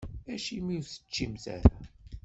Acimi ur teččimt ara?